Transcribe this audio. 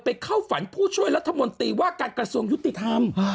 เข้าฝันผู้ช่วยรัฐมนตรีว่าการกระทรวงยุติธรรม